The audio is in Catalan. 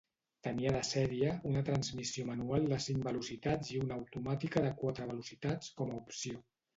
Tenia de sèrie una transmissió manual de cinc velocitats i una automàtica de quatre velocitats com a opció.